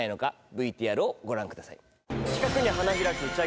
ＶＴＲをご覧ください。